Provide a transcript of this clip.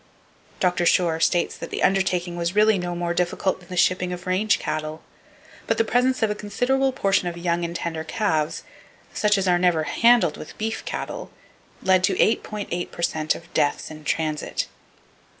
Dr. Shore states that the undertaking was really no more difficult than the shipping of range cattle; but the presence of a considerable proportion of young and tender calves, such as are never handled with beef cattle, led to 8.8 per cent of deaths in transit.